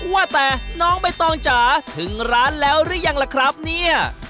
ว่าแต่น้องใบตองจ๋าถึงร้านแล้วหรือยังล่ะครับเนี่ย